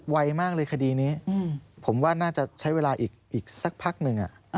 ไวมากเลยคดีนี้ผมว่าน่าจะใช้เวลาอีกสักพักหนึ่ง